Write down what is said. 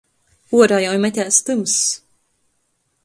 Uorā jau metēs tymss.